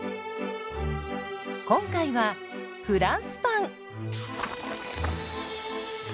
今回はフランスパン。